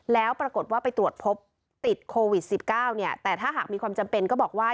แล้วปรากฏว่าไปตรวจพบติดโควิด๑๙เนี่ยแต่ถ้าหากมีความจำเป็นก็บอกว่า